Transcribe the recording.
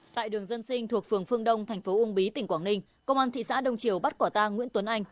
tại đường dân sinh thuộc phường phương đông tp ung bí tỉnh quảng ninh công an thị xã đông triều bắt quả tang nguyễn tuấn anh